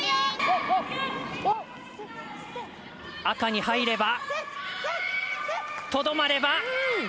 赤に入ればとどまれば。